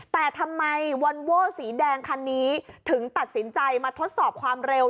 แต่ทำไมวอนโว้สีแดงคันนี้ถึงตัดสินใจมาทดสอบความเร็ว